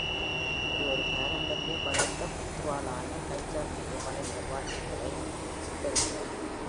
இது ஒரு பாரம்பரிய வளைந்த குத்துவாளான "கஞ்சர்" மீது வளைந்த வாட்களைச் சித்தரிக்கிறது.